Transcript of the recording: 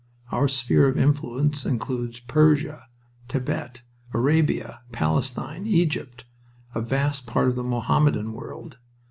Our sphere of influence includes Persia, Thibet, Arabia, Palestine, Egypt a vast part of the Mohammedan world.